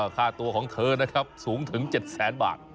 ค่าตัวของเธอนะครับสูงถึง๗แสนบาท